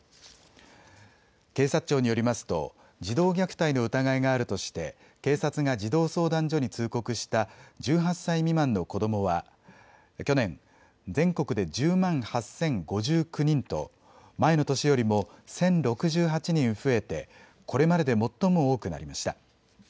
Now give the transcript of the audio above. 警察庁によりますと児童虐待の疑いがあるとして警察が児童相談所に通告した１８歳未満の子どもは去年、全国で１０万８０５９人と前の年よりも１０６８人増えてこれまでで最も多くなりました。